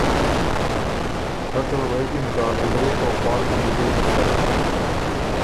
رټ ال غوېکِن که ”غلے او خوالکن دی ګۀ یِن سره“